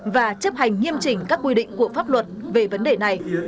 và chấp hành nghiêm chỉnh các quy định của pháp luật về vấn đề này